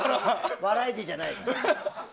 バラエティーじゃないよ。